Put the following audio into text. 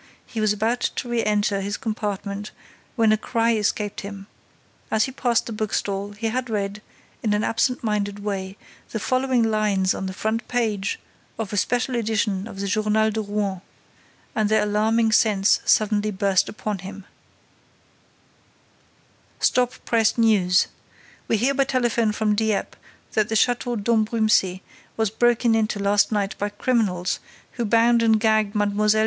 He was about to re enter his compartment, when a cry escaped him. As he passed the bookstall, he had read, in an absent minded way, the following lines on the front page of a special edition of the Journal de Rouen; and their alarming sense suddenly burst upon him: STOP PRESS NEWS We hear by telephone from Dieppe that the Château d'Ambrumésy was broken into last night by criminals, who bound and gagged Mlle.